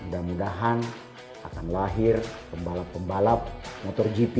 mudah mudahan akan lahir pembalap pembalap motor gp